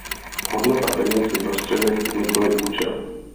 Hodnota peněz je prostředek, nikoli účel.